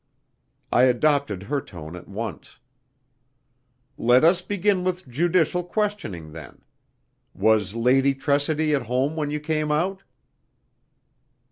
I adopted her tone at once. "Let us begin with judicial questioning then. Was Lady Tressidy at home when you came out?"